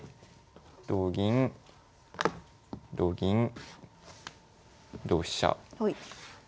同銀同銀同飛車。でまあ